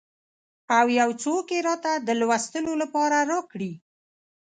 او یو څوک یې راته د لوستلو لپاره راکړي.